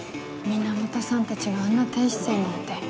源さんたちがあんな低姿勢なんて。